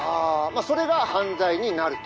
あそれが犯罪になると」。